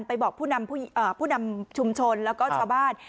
ไปบอกผู้นำชุมชนแล้วก็ชาวบ้าน